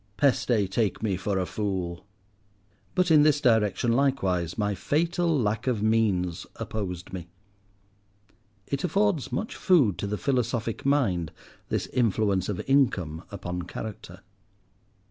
Peste take me for a fool." But in this direction likewise my fatal lack of means opposed me. (It affords much food to the philosophic mind, this influence of income upon character.)